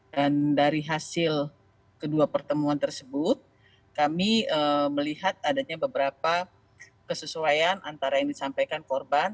dan dari hasil kedua pertemuan tersebut kami melihat adanya beberapa kesesuaian antara yang disampaikan korban